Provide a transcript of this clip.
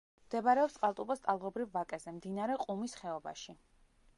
მდებარეობს წყალტუბოს ტალღობრივ ვაკეზე, მდინარე ყუმის ხეობაში.